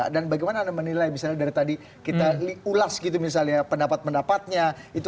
dan bagaimana menilai misalnya dari tadi kita liulas gitu misalnya pendapat pendapatnya itu